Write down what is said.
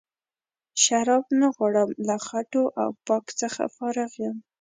شراب نه غواړم له خټو او پاک څخه فارغ یم.